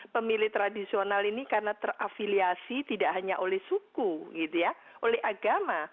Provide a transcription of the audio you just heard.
pemilih tradisional ini karena terafiliasi tidak hanya oleh suku gitu ya oleh agama